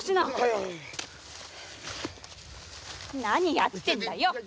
何やってんだよ！